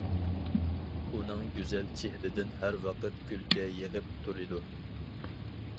ئۇنىڭ گۈزەل چېھرىدىن ھەر ۋاقىت كۈلكە يېغىپ تۇرىدۇ.